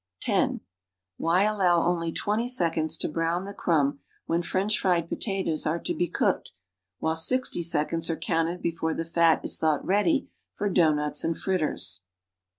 (10) Why allow only 30 seconds to brown the crumb when French fried pota toes are to be cooked, while 60 seconds are counted l>efore the fat is thought ready for dovighnut.s and fritters?